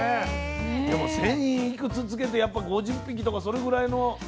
でも１，０００いくつつけてやっぱ５０匹とかそれぐらいの希少なんだね。